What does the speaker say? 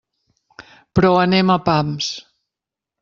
Però anem a pams.